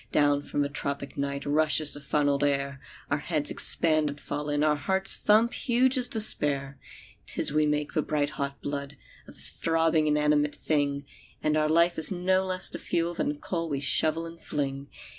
"Down from the tropic night Rushes the funnelled air; Our heads expand and fall in; Our hearts thump huge as despair. "'Tis we make the bright hot blood Of this throbbing inanimate thing; And our life is no less the fuel Than the coal we shovel and fling.